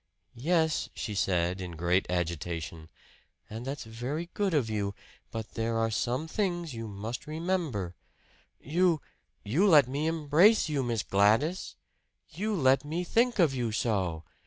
"Yes," she said in great agitation "and that's very good of you. But there are some things you must remember " "You you let me embrace you, Miss Gladys! You let me think of you so!